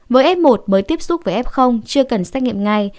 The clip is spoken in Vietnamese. với f một mới tiếp xúc với f chưa cần xét nghiệm ngay